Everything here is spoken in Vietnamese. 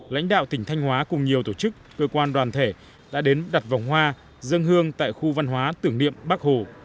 lãnh đạo tỉnh thanh hóa cùng nhiều tổ chức cơ quan đoàn thể đã đến đặt vòng hoa dân hương tại khu văn hóa tưởng niệm bắc hồ